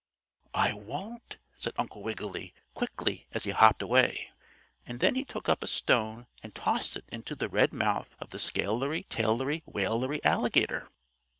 "I won't," said Uncle Wiggily, quickly as he hopped away, and then he took up a stone and tossed it into the red mouth of the scalery tailery wailery alligator.